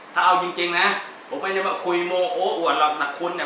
ถ้าเอาจริงนะฮะผมไม่นึกว่าคุยโมงโอ่อ่อนหลักหนักคุณเนี่ย